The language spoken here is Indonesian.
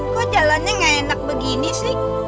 kok jalannya gak enak begini sih